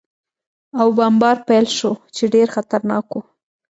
او بمبار پېل شو، چې ډېر خطرناک و.